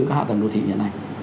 các hạ tầng đô thị như thế này